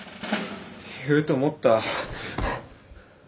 言うと思った。